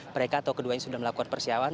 mereka atau keduanya sudah melakukan persiapan